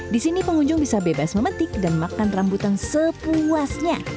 di sini pengunjung bisa bebas memetik dan makan rambutan sepuasnya